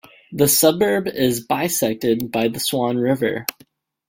The suburb is bisected by the Swan River.